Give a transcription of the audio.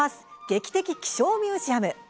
劇的気象ミュージアム」。